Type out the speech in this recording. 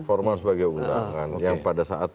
formal sebagai undangan yang pada saat